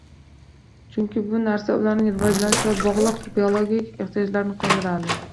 chunki bu narsa ularning rivojlanish bilan bog‘liq biologik ehtiyojlarini qondiradi.